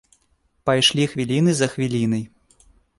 Пайшлі хвіліны за хвілінай.